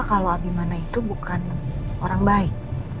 kalau abimana itu bukan orang baik